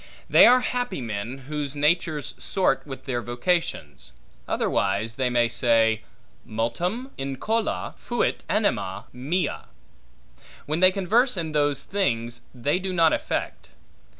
They are happy men, whose natures sort with their vocations; otherwise they may say, multum incola fuit anima mea; when they converse in those things, they do not affect.